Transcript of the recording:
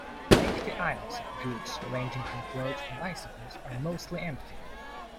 Lengthy aisles of goods ranging from clothes to bicycles are mostly empty.